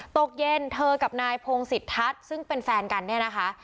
ตกเย็นเธอกับนายพงศิษทัศน์ซึ่งเป็นแฟนกันเนี่ยนะคะ